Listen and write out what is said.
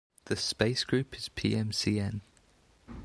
The space group is Pmcn.